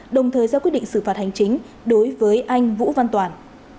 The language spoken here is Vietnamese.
đồng thời ra quyết định xử phạt hành chính đối với anh vũ văn toàn